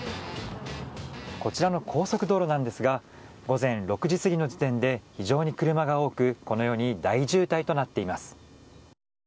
こちらの高速道路なんですが午前６時過ぎの時点で非常に車が多くこのように大渋滞となっています。